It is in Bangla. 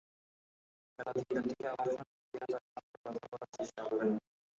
বেলা তিনটার দিকে আবারও সাংবাদিকেরা তাঁর সঙ্গে কথা বলার চেষ্টা করেন।